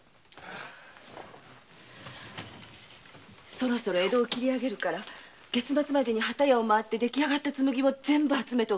そろそろ江戸を切りあげるから月末までに機屋を回ってできた紬を全部集めておくれ。